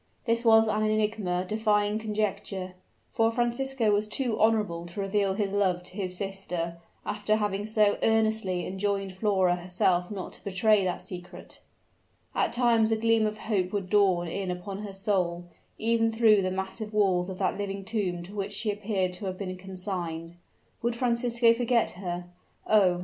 This was an enigma defying conjecture; for Francisco was too honorable to reveal his love to his sister, after having so earnestly enjoined Flora herself not to betray that secret. At times a gleam of hope would dawn in upon her soul, even through the massive walls of that living tomb to which she appeared to have been consigned. Would Francisco forget her? Oh!